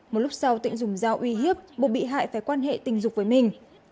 một lúc sau tịnh dùng dao uy hiếp buộc bị hại phải quan hệ tình dục với mình